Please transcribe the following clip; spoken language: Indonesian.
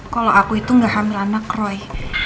kalau aku itu gak hamil anak roy